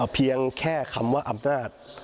เพียงแค่คำว่าอำนาจ